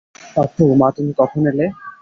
পাপ্পু, মা, তুমি কখন এলে?